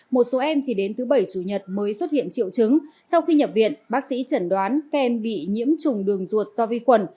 một số em thì đến thứ bảy chủ nhật mới xuất hiện triệu chứng sau khi nhập viện bác sĩ chẩn đoán kem bị nhiễm trùng đường ruột do vi khuẩn